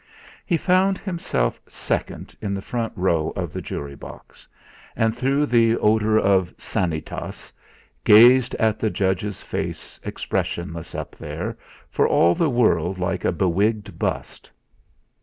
He found himself second in the front row of the jury box, and through the odour of "Sanitas" gazed at the judge's face expressionless up there, for all the world like a bewigged bust.